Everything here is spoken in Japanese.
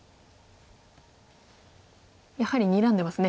やはりにらんでますね。